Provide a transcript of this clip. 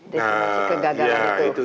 definisi kegagalan itu